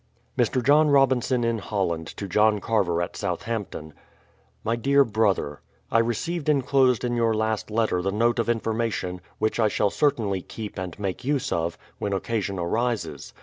Mr. John Robinson in Holland to John Carver at Southampton: My dear Brother, I received enclosed in your last letter the note of information, which I shall certainly keep and make use of, when occasion arises.